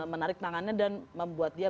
menarik tangannya dan membuat dia